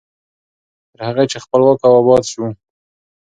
تر هغه چې خپلواک او اباد شو.